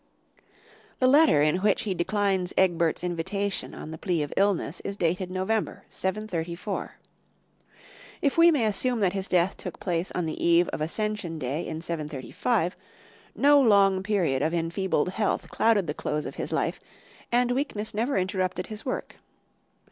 The letter in which he declines Egbert's invitation on the plea of illness is dated November, 734. If we may assume that his death took place on the eve of Ascension Day in 735, no long period of enfeebled health clouded the close of his life, and weakness never interrupted his work.